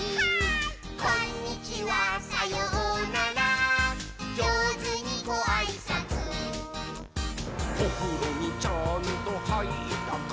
「こんにちはさようならじょうずにごあいさつ」「おふろにちゃんとはいったかい？」はいったー！